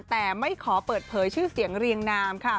แต่ไม่ขอเปิดเผยชื่อเสียงเรียงนามค่ะ